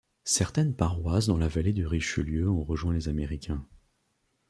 Certaines paroisses dans la Vallée du Richelieu ont rejoint les Américains.